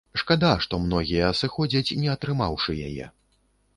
Шкада, што многія сыходзяць, не атрымаўшы яе.